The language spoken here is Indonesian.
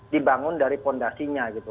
dibangun dari fondasinya gitu